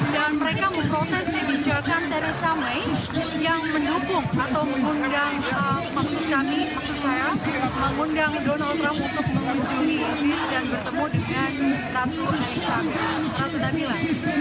dan mereka memprotes di jalanan dari samai yang mendukung atau mengundang maksud kami maksud saya mengundang donald trump untuk mengunjungi dan bertemu dengan ratu nabila